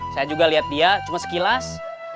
saya juga lihat dia cuma sekilas